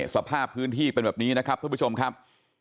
สภาพพื้นที่เป็นแบบนี้นะครับท่านผู้ชมครับ